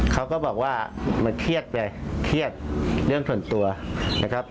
เขาก็บอกว่ามันเครียดไปเครียดเรื่องส่วนตัวนะครับ